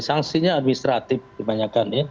sanksinya administratif kebanyakan ya